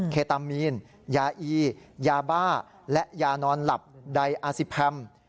เคตามีนยาอียาบ้าและยานอนหลับใดอาซิแพม